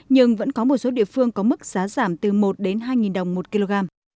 nhưng vẫn có một số địa phương có mức giá giảm từ một đến hai đồng một kg